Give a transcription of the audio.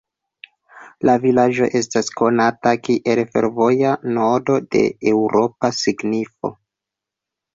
La vilaĝo estas konata kiel fervoja nodo de eŭropa signifo.